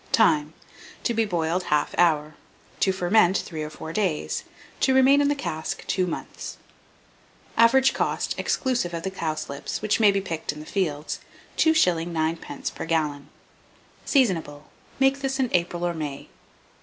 Time. To be boiled 1/2 hour; to ferment 3 or 4 days; to remain in the cask 2 months. Average cost, exclusive of the cowslips, which may be picked in the fields, 2s. 9d. per gallon. Seasonable. Make this in April or May.